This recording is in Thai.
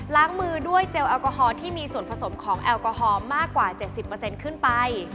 ล้างมือด้วยเจลแอลกอฮอลที่มีส่วนผสมของแอลกอฮอลมากกว่า๗๐ขึ้นไป